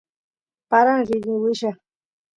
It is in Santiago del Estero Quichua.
paran rini willay